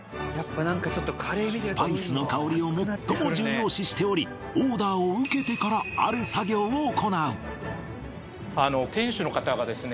スパイスの香りを最も重要視しておりオーダーを受けてからある作業を行うあの店主の方がですね